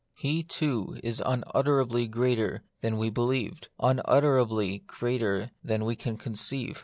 He, too, is unut terably greater than we believed, unutterably greater than we can conceive.